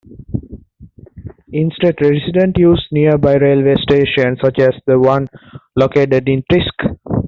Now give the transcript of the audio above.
Instead residents use nearby railway stations such as the one located in Thirsk.